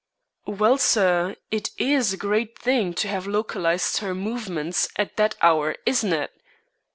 "Well, sir, it is a great thing to have localized her movements at that hour, isn't it?"